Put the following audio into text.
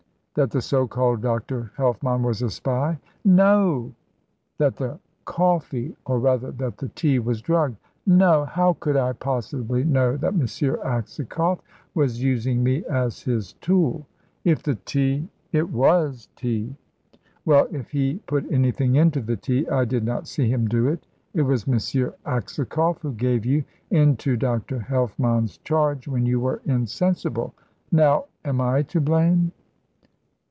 "That the so called Dr. Helfmann was a spy?" "No!" "That the coffee or rather, that the tea was drugged?" "No. How could I possibly know that M. Aksakoff was using me as his tool? If the tea it was tea well, if he put anything into the tea, I did not see him do it. It was M. Aksakoff who gave you into Dr. Helfmann's charge, when you were insensible. Now, am I to blame?"